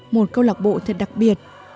một câu lạc bộ thật đặc biệt